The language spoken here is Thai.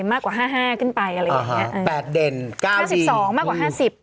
มากกว่าห้าห้าขึ้นไปอะไรอย่างเงี้ยแปดเด่นเก้าห้าสิบสองมากกว่าห้าสิบ